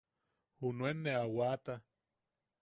Junuen ne a waata.